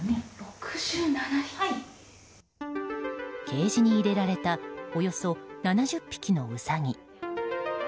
ケージに入れられたおよそ７０匹のウサギ。